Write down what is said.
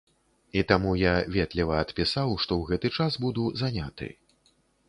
І таму я ветліва адпісаў, што ў гэты час буду заняты.